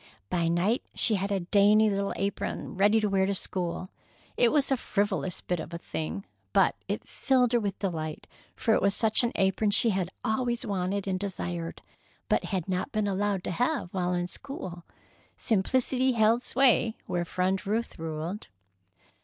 By night she had a dainty little apron ready to wear to school. It was a frivolous bit of a thing, but it filled her with delight, for it was such an apron as she had always desired, but had not been allowed to have while in school. Simplicity held sway where Friend Ruth ruled.